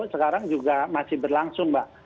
sekarang juga masih berlangsung mbak